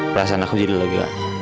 perasaan aku jadi lega